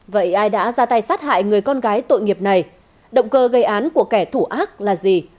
vậy ai đã ra tay sát hại người con gái tội nghiệp này động cơ gây án của kẻ thủ ác là gì